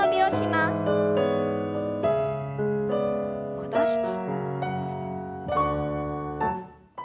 戻して。